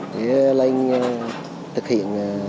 để lên thực hiện